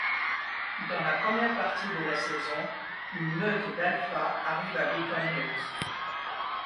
Dans la première partie de la saison, une meute d’Alphas arrive à Beacon Hills.